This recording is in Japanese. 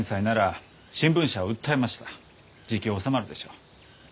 じき収まるでしょう。